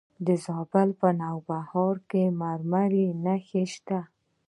د زابل په نوبهار کې د مرمرو نښې شته.